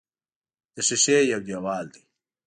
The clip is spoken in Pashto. د ښیښې یو دېوال دی.